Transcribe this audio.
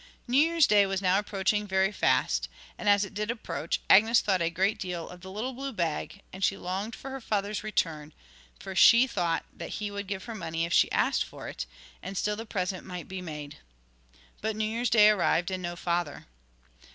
New Year's Day was now approaching very fast, and as it did approach Agnes thought a great deal of the little blue bag, and she longed for her father's return, for she thought that he would give her money if she asked for it, and still the present might be made. But New Year's Day arrived, and no father.